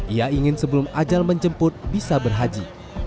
ia ingin sebelum ajal menjemput bisa berhaji